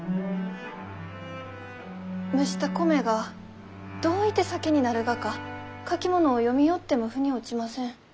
蒸した米がどういて酒になるがか書き物を読みよってもふに落ちません。